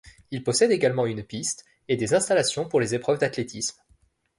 Il possède également une piste et des installations pour les épreuves d’athlétisme.